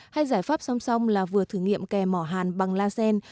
hay giải pháp song song là vừa thử nghiệm kè mỏ hàn bằng la sen